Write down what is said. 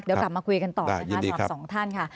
เดี๋ยวกลับมาคุยกันต่อนะคะสำหรับสองท่านค่ะ